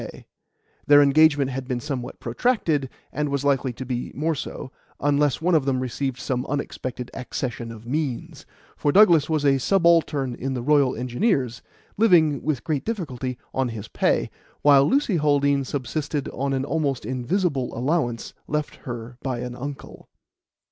Their engagement had been somewhat protracted, and was likely to be more so, unless one of them received some unexpected accession of means; for Douglas was a subaltern in the Royal Engineers, living, with great difficulty, on his pay, while Lucy Haldean subsisted on an almost invisible allowance left her by an uncle.